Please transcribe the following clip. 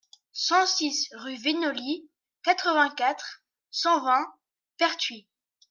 cent six rue Vinolly, quatre-vingt-quatre, cent vingt, Pertuis